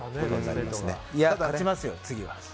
勝ちますよ、次は。